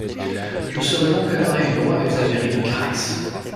Je serai donc à la réunion avec la mairie de Carhaix.